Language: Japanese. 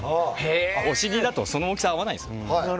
お尻だと大きさに合わないんです。